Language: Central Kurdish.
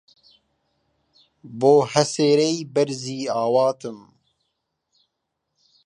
بۆ هەسێرەی بەرزی ئاواتم